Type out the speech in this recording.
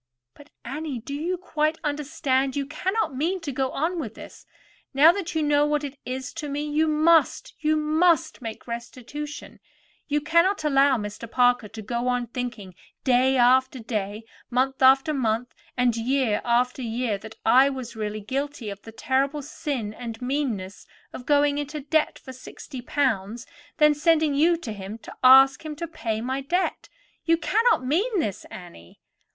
"But, Annie, do you quite understand? You cannot mean to go on with this. Now that you know what it is to me, you must—you must make restitution. You cannot allow Mr. Parker to go on thinking day after day, month after month, and year after year, that I was really guilty of the terrible sin and meanness of going into debt for sixty pounds, and then sending you to him to ask him to pay my debt. You cannot mean this, Annie?"